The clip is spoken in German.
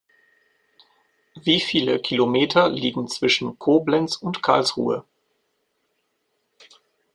Wie viele Kilometer liegen zwischen Koblenz und Karlsruhe?